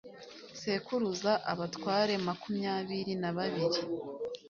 sekuruza abatware makumyabiri na babiri